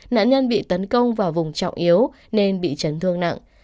nạn nhân bị tấn công vào vùng trọng yếu nên bị chấn thương nặng